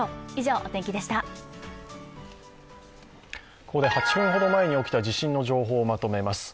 ここて８分程前に起きた地震の情報をまとめます。